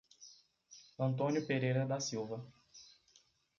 Antônio Pereira da Silva